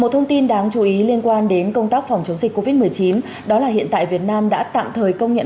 một thông tin đáng chú ý liên quan đến công tác phòng chống dịch covid một mươi chín đó là hiện tại việt nam đã tạm thời công nhận